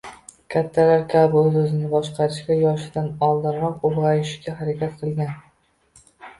Kattalar kabi o’z-o’zini boshqarishga, yoshidan oldinroq ulg’ayishga harakat qilgan